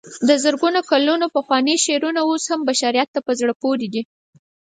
د زرګونو کلونو پخواني شعرونه اوس هم بشریت ته په زړه پورې دي.